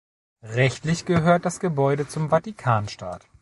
Rechtlich gehört das Gebäude zum Vatikanstaat.